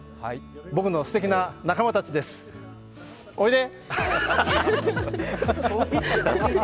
僕のすてきな仲間たちです、おいで！